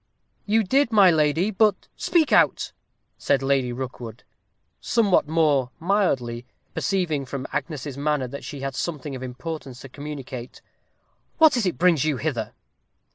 "You did, my lady, but " "Speak out," said Lady Rookwood, somewhat more mildly, perceiving, from Agnes's manner, that she had something of importance to communicate. "What is it brings you hither?"